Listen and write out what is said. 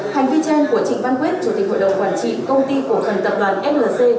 hành vi trên của trịnh văn quyết chủ tịch hội đồng quản trị công ty cổ phần tập đoàn flc